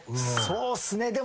そうっすね。